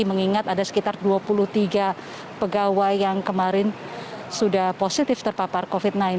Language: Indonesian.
mengingat ada sekitar dua puluh tiga pegawai yang kemarin sudah positif terpapar covid sembilan belas